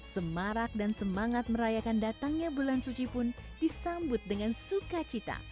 semarak dan semangat merayakan datangnya bulan suci pun disambut dengan sukacita